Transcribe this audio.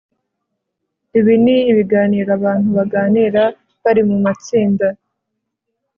ibi ni biganiro abantu baganira bari mu matsinda